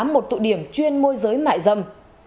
một tụ điểm chuyên môi giới mại dâm